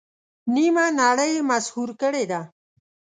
نیمه نړۍ یې مسحور کړې ده.